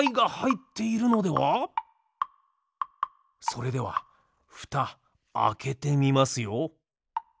それではふたあけてみますよ。